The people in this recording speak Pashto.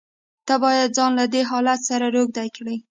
ته بايد ځان له دې حالت سره روږدى کړې.